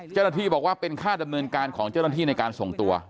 เจ้าหน้าที่บอกว่าเป็นค่าดำเนินการของเจ้าหน้าที่ในการส่งตัว